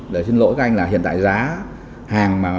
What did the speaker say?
để xin lỗi các anh là hiện tại giá hàng